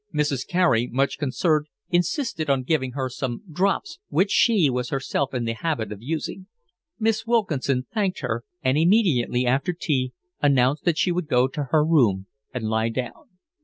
Mrs. Carey, much concerned, insisted on giving her some 'drops' which she was herself in the habit of using. Miss Wilkinson thanked her, and immediately after tea announced that she would go to her room and lie down.